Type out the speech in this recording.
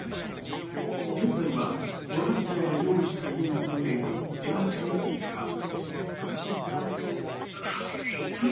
現在はボランティアが用意した家に住んでいるエバちゃん一家。